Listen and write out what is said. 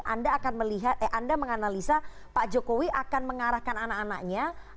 anda akan melihat eh anda menganalisa pak jokowi akan mengarahkan anak anaknya